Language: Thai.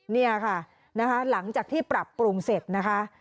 นี่ค่ะนะคะหลังจากที่ปรับปรุงเสร็จนะคะ